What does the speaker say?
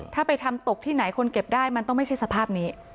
ถ้าไปทำตกที่ไหนคนเก็บได้มันต้องไม่ใช่สภาพนี้